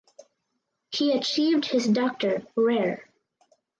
He achieved his Doctor rer.